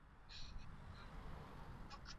a nyingi chakula kikifika mwilini